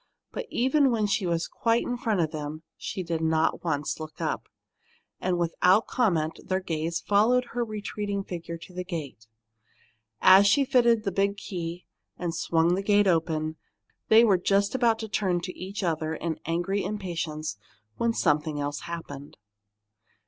But even when she was quite in front of them, she did not once look up, and without comment their gaze followed her retreating figure to the gate. As she fitted the big key and swung the gate open, they were just about to turn to each other in angry impatience when something else happened.